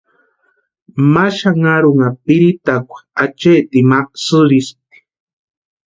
Ma xanharhunha piritakwa acheetini ma sïrispti.